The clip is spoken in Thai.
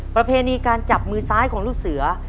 ประเพณีการจับมือซ้ายของลูกเสือ